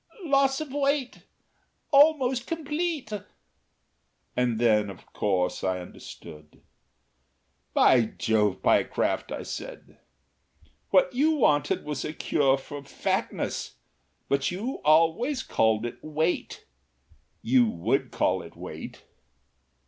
"Loss of weight almost complete." And then, of course, I understood. "By Jove, Pyecraft," said I, "what you wanted was a cure for fatness! But you always called it weight. You would call it weight."